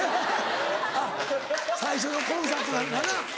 あっ最初のコンサートなんかな。